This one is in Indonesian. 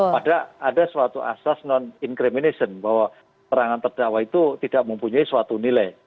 pada ada suatu asas non incrimination bahwa perangan terdakwa itu tidak mempunyai suatu nilai